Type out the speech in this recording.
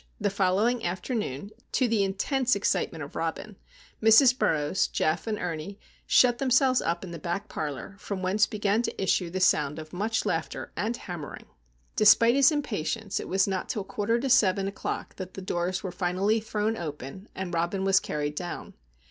The following afternoon,—to the intense excitement of Robin,—Mrs. Burroughs, Geof, and Ernie shut themselves up in the back parlour, from whence began to issue the sound of much laughter and hammering. Despite his impatience, it was not till quarter to seven o'clock that the doors were finally thrown open and Robin was carried down.